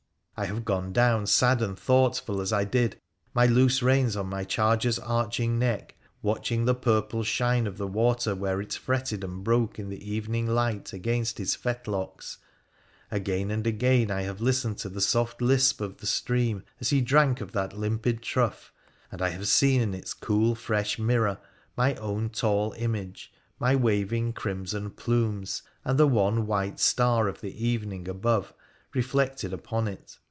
I have gone down sad and thoughtful as I did, my loose reins on my charger's arch ing neck, watching the purple shine of the water where it fretted and broke in the evening light against his fetlocks ; again and again I have listened to the soft lisp of the stream as he drank of that limpid trough, and I have seen in its cool fresh mirror my own tall image, my waving crimson plumes, and the one white star of the evening above, reflected upon it.